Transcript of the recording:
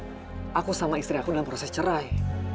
eh aku sama istri aku dalam proses cerai